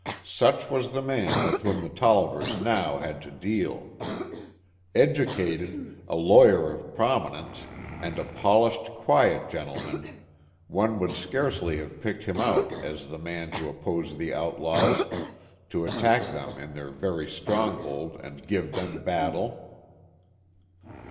Such was the man with whom the Tollivers now had to deal. Educated, a lawyer of prominence, and a polished, quiet gentleman, one would scarcely have picked him out as the man to oppose the outlaws, to attack them in their very stronghold and give them battle.